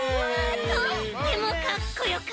とってもかっこよかったち。